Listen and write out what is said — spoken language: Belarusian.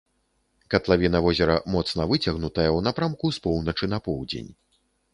Катлавіна возера моцна выцягнутая ў напрамку з поўначы на поўдзень.